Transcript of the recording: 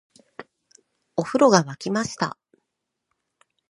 お風呂が湧きました